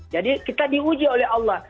jadi kita diuji oleh allah